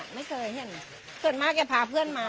อ่ะไม่เคยเห็นอย่างเนี้ยส่วนมากจะพาเพื่อนมา